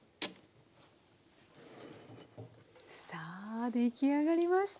さあ出来上がりました。